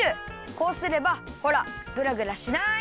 こうすればほらグラグラしない！